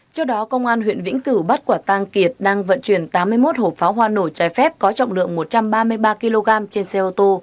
trước đó công an huyện vĩnh cửu bắt quả tang kiệt đang vận chuyển tám mươi một hộp pháo hoa nổi trái phép có trọng lượng một trăm ba mươi ba kg trên xe ô tô